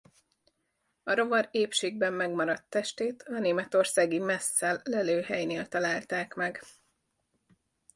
A rovar épségben megmaradt testét a németországi Messel lelőhelynél találták meg.